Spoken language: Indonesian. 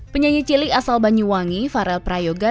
penyanyi cilik asal banyuwangi farel prayoga